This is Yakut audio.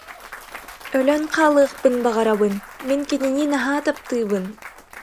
Өлөн хаалыахпын баҕарабын, мин кинини наһаа таптыыбын